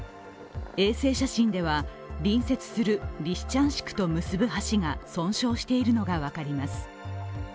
衛星写真では、隣接するリシチャンシクと結ぶ橋が損傷しているのが分かります。